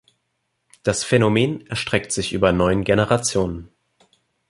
Das Phänomen erstreckt sich über neun Generationen.